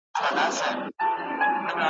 امریکا ته راوستل سوي وه .